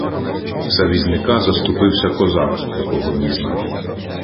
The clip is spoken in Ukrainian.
За візника заступився козак, якого він знав.